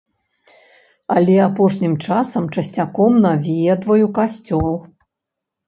Але апошнім часам часцяком наведваю касцёл.